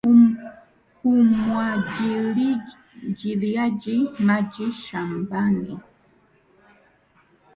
Umwagiliaji maji shambani